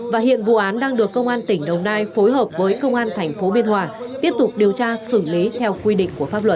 và hiện vụ án đang được công an tỉnh đồng nai phối hợp với công an tp biên hòa tiếp tục điều tra xử lý theo quy định của pháp luật